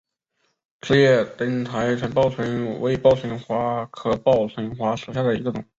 齿叶灯台报春为报春花科报春花属下的一个种。